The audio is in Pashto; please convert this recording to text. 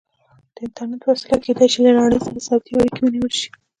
د انټرنیټ په وسیله کیدای شي له نړۍ سره صوتي اړیکې ونیول شي.